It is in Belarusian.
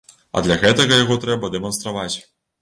А для гэтага яго трэба дэманстраваць.